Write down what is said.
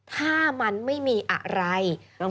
ถ้ามันไม่มีอะไร